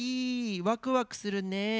ワクワクするね。